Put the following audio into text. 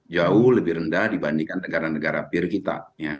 jauh lebih rendah dibandingkan negara negara peer kita